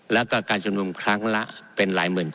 แล้วก็การชุมนุมครั้งละเป็นหลายหมื่นคน